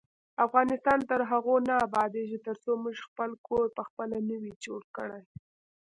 افغانستان تر هغو نه ابادیږي، ترڅو موږ خپل کور پخپله نه وي جوړ کړی.